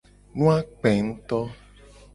Nu a kpe nguto.